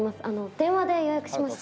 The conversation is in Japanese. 電話で予約しました。